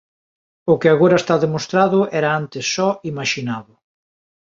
O que agora está demostrado era antes só imaxinado.